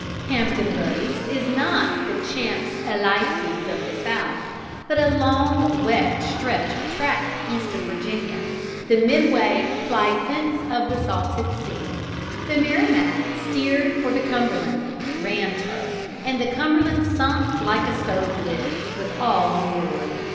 Hampton Roads is not the Champs Elysées of the South, but a long wet stretch of track east of Virginia, the Midway Plaisance of the Salted Sea. The Merrimac steered for the Cumberland, rammed her, and the Cumberland sunk like a stove lid, with all on board.